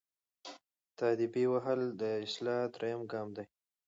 تاديبي وهل د اصلاح دریم ګام دی.